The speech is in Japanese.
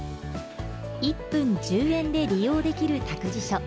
１分１０円で利用できる託児所。